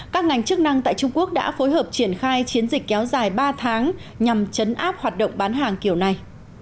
các ngành chức năng tại trung quốc đã phối hợp triển khai chiến dịch kéo dài ba tháng nhằm chấn áp hoạt động bán hàng kiểu này